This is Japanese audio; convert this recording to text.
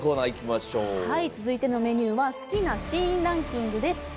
続いてのメニューは「好きなシーンランキング」。